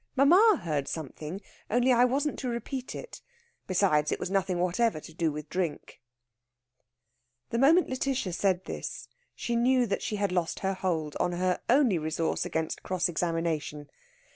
Mamma heard something. Only I wasn't to repeat it. Besides, it was nothing whatever to do with drink." The moment Lætitia said this, she knew that she had lost her hold on her only resource against cross examination.